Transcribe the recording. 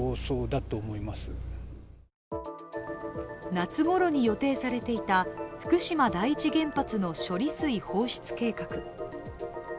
夏ごろに予定されていた福島第一原発の処理水放出計画。